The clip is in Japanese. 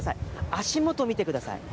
足元見てください。